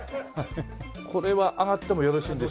これは上がってもよろしいでしょうか？